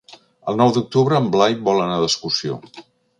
El nou d'octubre en Blai vol anar d'excursió.